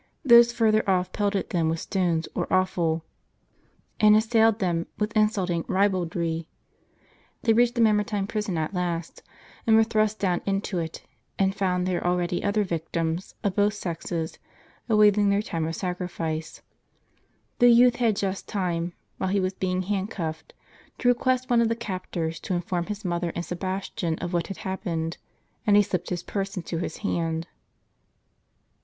Those further off pelted them with stones or offal, and assailed them with insulting ribaldry.* They reached the Mamertine prison at last, and were thrust down into it, and found there already other victims, of both sexes, awaiting their time of sacrifice. The youth had just time, while he was being handcuffed, to request one of the captors to inform his mother and Sebastian of what had hap pened, and he slipped his purse into his hand.